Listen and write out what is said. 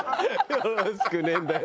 よろしくねえんだよ。